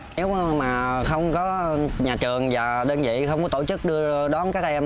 nếu mà không có nhà trường và đơn vị không có tổ chức đưa đón các em